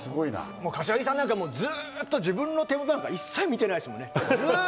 柏木さんなんか、自分の手元なんか一切見てませんもんね。